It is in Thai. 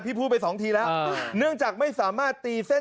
พูดไปสองทีแล้วเนื่องจากไม่สามารถตีเส้น